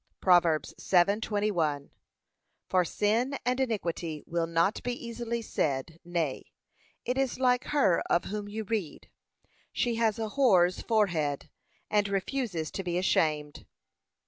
(Prov. 7:21) For sin and iniquity will not be easily said nay; it is like her of whom you read she has a whore's forehead, and refuses to be ashamed.